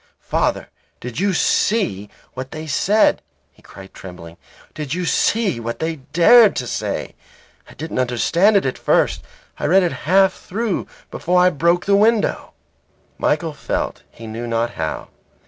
"Father, did you see what they said?" he cried, trembling. "Did you see what they dared to say? I didn't understand it at first. I read it half through before I broke the window." Michael felt he knew not how.